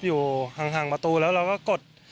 อยู่ห่างประตูแล้วเราก็กด